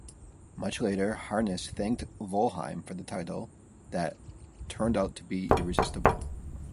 Much later Harness thanked Wollheim for the title that "turned out to be irresistible".